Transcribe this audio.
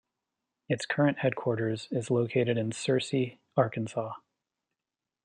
Its current headquarters is located in Searcy, Arkansas.